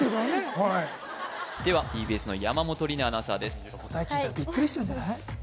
はいではＴＢＳの山本里菜アナウンサーです答え聞いたらビックリしちゃうんじゃない？